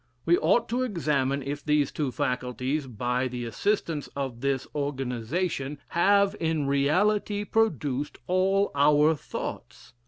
We ought to examine if these two faculties, by the assistance of this organization, have in reality produced all our thoughts.